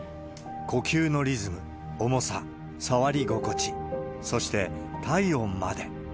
呼吸のリズム、重さ、触り心地、そして体温まで。